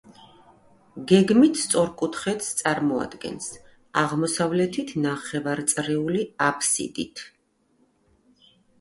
გეგმით სწორკუთხედს წარმოადგენს, აღმოსავლეთით ნახევარწრიული აბსიდით.